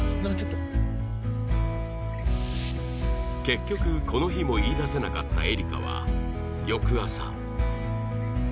結局この日も言い出せなかったエリカは翌朝